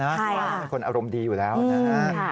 เพราะว่าเขาเป็นคนอารมณ์ดีอยู่แล้วนะฮะ